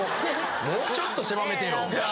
もうちょっと狭めてよ。